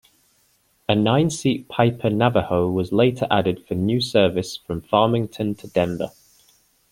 A nine-seat Piper Navajo was later added for new service from Farmington to Denver.